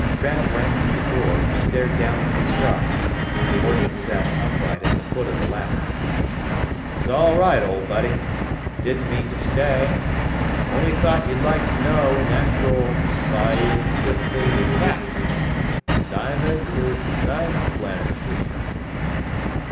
Trav ran to the door, stared down into the dark. Horton sat upright at the foot of the ladder. "Sall right ole buddy. Dint mean to stay. Only thought you'd like to know natural sci yen tiffy fack. Diomed is nine plan' system."